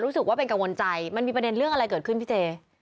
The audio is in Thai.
รู้สึกว่าเป็นกังวลใจมันมีประเด็นเรื่องอะไรเกิดขึ้นพี่เจ